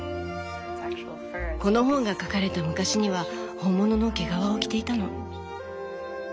この本が書かれた昔には本物の毛皮を着ていたの。